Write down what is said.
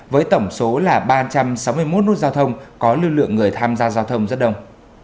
với tổng số là ba trăm sáu mươi một nút giao thông có lưu lượng người tham gia giao thông rất đông